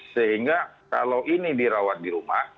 sehingga kalau ini dirawat di rumah